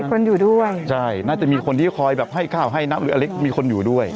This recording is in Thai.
คนอยู่ด้วยใช่น่าจะมีคนที่คอยแบบให้ข้าวให้น้ำหรืออะไรมีคนอยู่ด้วย